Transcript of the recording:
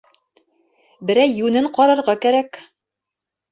Берәй йүнен ҡарарға кәрәк.